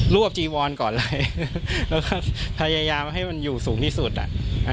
วบจีวอนก่อนเลยแล้วก็พยายามให้มันอยู่สูงที่สุดอ่ะ